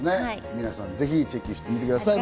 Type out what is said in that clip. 皆さん、ぜひチェックしてください。